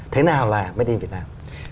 thế nào là made in việt nam